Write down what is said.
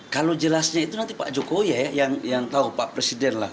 kalau jelasnya itu nanti pak jokowi ya yang tahu pak presiden lah